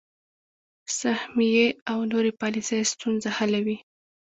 سهمیې او نورې پالیسۍ ستونزه حلوي.